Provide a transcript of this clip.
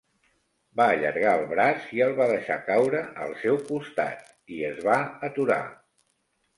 Va allargar el braç i el va deixar caure al seu costat, i es va aturar.